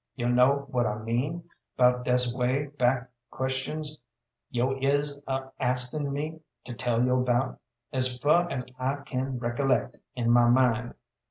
Yo' kno what I mean 'bout dese way back questions yo' is a asking me to tell yo' 'bout; as fer as I can recallect in my mind.